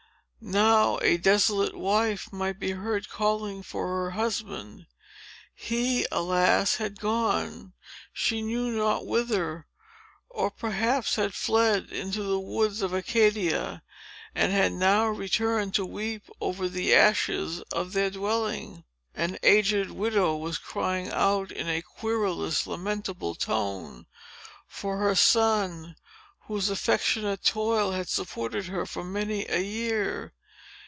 Now, a desolate wife might be heard calling for her husband. He, alas! had gone, she knew not whither, or perhaps had fled into the woods of Acadia, and had now returned to weep over the ashes of their dwelling. An aged widow was crying out, in a querulous, lamentable tone, for her son, whose affectionate toil had supported her for many a year.